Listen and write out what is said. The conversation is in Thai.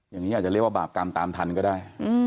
อย่างนี้อาจจะเรียกว่าบาปกรรมตามทันก็ได้